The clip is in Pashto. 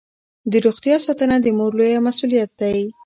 د روغتیا ساتنه د مور لویه مسوولیت ده.